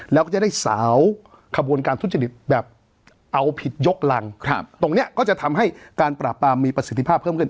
แล้วก็จะได้สาวขบวนการทุจริตแบบเอาผิดยกรังตรงนี้ก็จะทำให้การปราบปรามมีประสิทธิภาพเพิ่มขึ้น